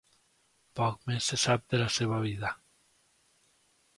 Poc més se sap de la seva vida.